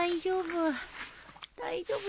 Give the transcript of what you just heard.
大丈夫。